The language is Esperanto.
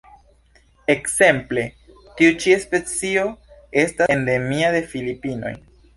Ekzemple tiu ĉi specio estas endemia de Filipinoj.